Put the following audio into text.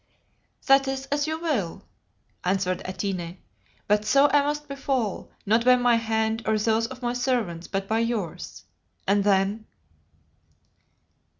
"That is as you will," answered Atene; "but so it must befall, not by my hand or those of my servants, but by yours. And then?"